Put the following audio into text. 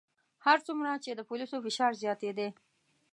هر څومره چې د پولیسو فشار زیاتېدی.